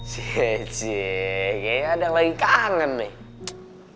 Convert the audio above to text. c kayaknya ada yang lagi kangen nih